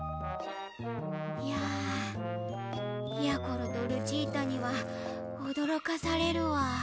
いややころとルチータにはおどろかされるわ。